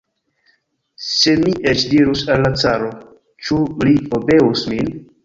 Se mi eĉ dirus al la caro, ĉu li obeus min?